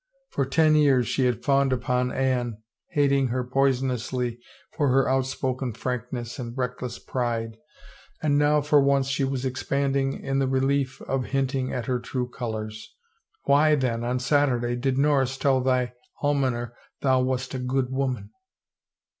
For ten years she had fawned upon Anne, hating her poisonously for her outspoken frankness and reckless pride and now for once she was expanding in the relief of hinting at her true colors. " Why then on Saturday did Norris tell thy almoner thou wast a good woman?